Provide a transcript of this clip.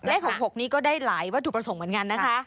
เลข๖๖นี้ก็ได้หลายวัตถุประสงค์เหมือนกันนะคะ